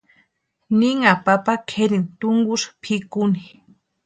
Ninha papa kʼerini túnkusï pʼikuni.